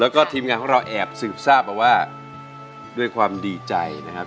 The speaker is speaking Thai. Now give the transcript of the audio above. แล้วก็ทีมงานของเราแอบสืบทราบมาว่าด้วยความดีใจนะครับ